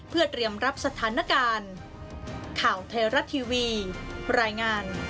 เพื่อเตรียมรับสถานการณ์